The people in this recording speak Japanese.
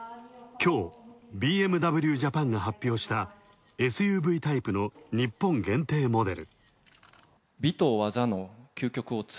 きょう、ＢＭＷジャパンが発表した、ＳＵＶタイプの日本限定モデル。